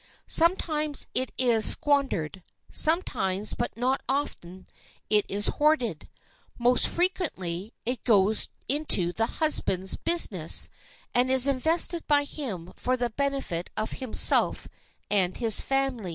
Sometimes it is squandered; sometimes, but not often, it is hoarded; most frequently "it goes into the husband's business" and is invested by him for the benefit of himself and his family.